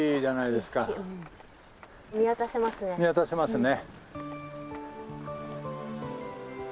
見渡せますね。